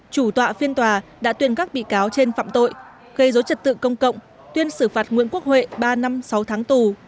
chủ tọa phiên tòa đã tuyên các bị cáo trên phạm tội gây dối trật tự công cộng tuyên xử phạt nguyễn quốc huệ ba năm sáu tháng tù